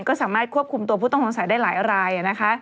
ก็สามารถควบคุมตัวผู้ต้องสงสัยได้หลายราย